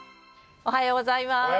おはようございます。